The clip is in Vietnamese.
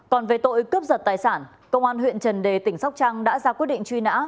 còn về tội cướp giật tài sản công an huyện trần đề tỉnh sóc trăng đã ra quyết định truy nã